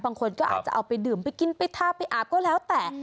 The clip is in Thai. บางคนก็อาจจะเอาไปดื่มไปกินไปทาไปอาบก็แล้วแต่